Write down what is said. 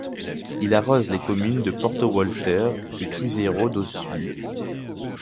Il arrose les communes de Porto Walter et Cruzeiro do Sul.